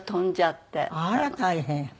あら大変。